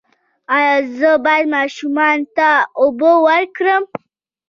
ایا زه باید ماشوم ته اوبه ورکړم؟